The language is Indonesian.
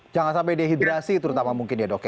jangan sampai dehidrasi terutama mungkin ya dok ya